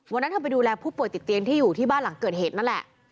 วันนั้นเธอไปดูแลผู้ป่วยติดเตียงที่อยู่ที่บ้านหลังเกิดเหตุนั่นแหละ